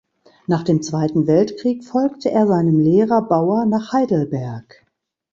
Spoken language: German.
Nach dem Zweiten Weltkrieg folgte er seinem Lehrer Bauer nach Heidelberg.